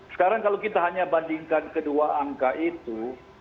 sekarang kalau kita hanya bandingkan kedua angka itu